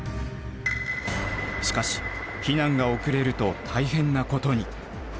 しかし避難が遅れると大変なことに。